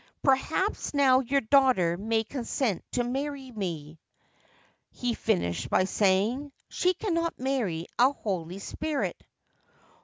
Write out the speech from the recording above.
' Perhaps now your daughter may consent to marry me/ he finished by saying. ' She cannot marry a holy spirit